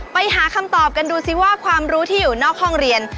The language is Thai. ไปหาคำตอบกันดูสิว่าความรู้ที่อยู่นอกห้องเรียน